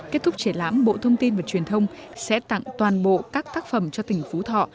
kết thúc triển lãm bộ thông tin và truyền thông sẽ tặng toàn bộ các tác phẩm cho tỉnh phú thọ